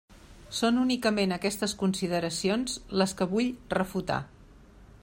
Són únicament aquestes consideracions les que vull refutar.